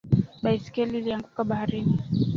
Baiskeli ilianguka baharini